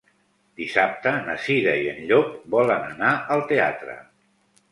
Dissabte na Cira i en Llop volen anar al teatre.